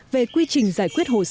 về quy trình giải quyết hồ sơ tổn động